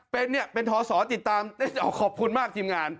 เป็นเนี่ยเป็นทอศติตามขอบคุณมากทิมงาน